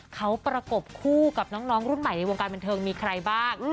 เขาประกบคู่กับน้องรุ่นใหม่ในวงการบันเทิงมีใครบ้าง